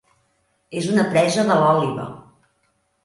És una presa de l'òliba.